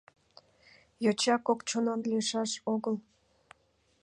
Йоча кок чонан лийшаш огыл.